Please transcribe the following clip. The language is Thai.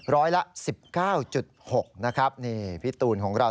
ร้อยละ๑๙๖นะครับนี่พี่ตูนของเรา